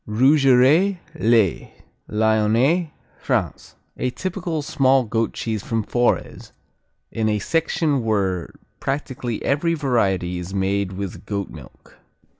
Rougerets, les Lyonnais, France A typical small goat cheese from Forez, in a section where practically every variety is made with goat milk.